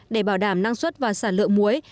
để bảo đảm năng suất và sản lượng mối